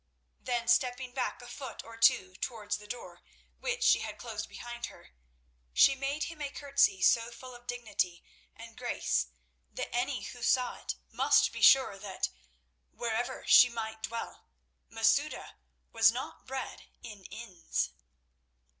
Then stepping back a foot or two towards the door, which she had closed behind her, she made him a curtsey so full of dignity and grace that any who saw it must be sure that, wherever she might dwell, Masouda was not bred in inns.